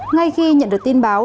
ngay khi nhận được tin báo